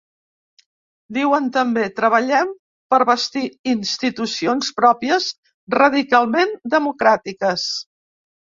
Diuen també: Treballem per bastir institucions pròpies radicalment democràtiques.